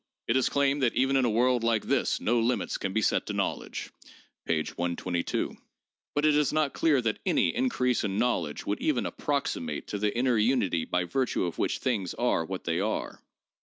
It is claimed that even in a world like this no limits can be set to knowledge (p. 122), but it is not clear that any increase in knowledge would even approximate to the inner unity by virtue of which things are what they are.